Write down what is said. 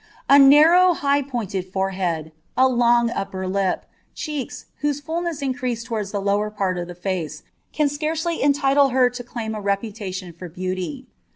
A narrow, high pointed forehead, a Imig upper lip, cheelt, whose fulness increased towards the lower part of the fa(«, ean scairdf entitle her to claim a reputation for beauty.